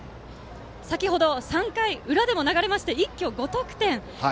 先ほど、３回裏でも流れまして一挙５得点。